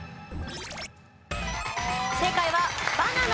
正解はバナナ。